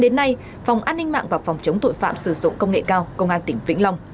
đến nay phòng an ninh mạng và phòng chống tội phạm sử dụng công nghệ cao công an tỉnh vĩnh long